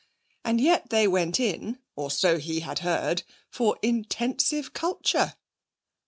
And yet they went in (or so he had heard) for 'intensive culture'!...